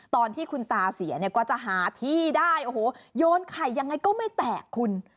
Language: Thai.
ตอนที่คุณตาเสียเนี่ยกว่าจะหาที่ได้โอ้โหโยนไข่ยังไงก็ไม่แตกคุณ